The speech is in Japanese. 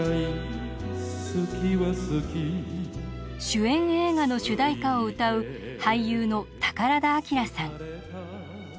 主演映画の主題歌を歌う俳優の宝田明さん。